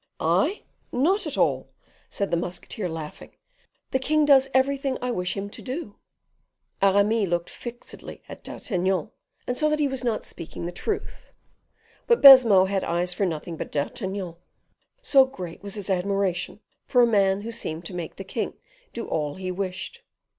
"I? not at all," said the musketeer, laughing: "the king does everything I wish him to do." Aramis looked fixedly at D'Artagnan, and saw that he was not speaking the truth. But Baisemeaux had eyes for nothing but D'Artagnan, so great was his admiration for a man who seemed to make the king do all he wished.